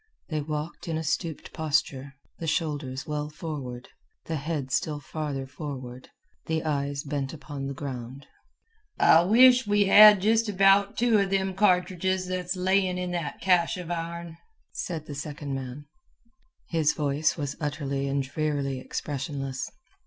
They walked in a stooped posture, the shoulders well forward, the head still farther forward, the eyes bent upon the ground. "I wish we had just about two of them cartridges that's layin' in that cache of ourn," said the second man. His voice was utterly and drearily expressionless.